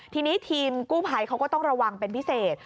ทีนี้ทีมกู้ภัยเขาก็ต้องระวังเป็นพิเศษ